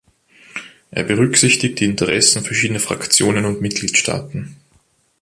Er berücksichtigt die Interessen verschiedener Fraktionen und Mitgliedstaaten.